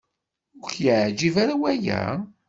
Ur k-yeɛjib ara waya?